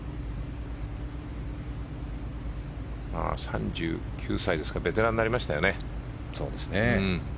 ３９歳ですからベテランになりましたよね。